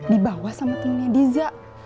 dibawa sama temennya diza